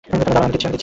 দাঁড়াও, আমি দিচ্ছি।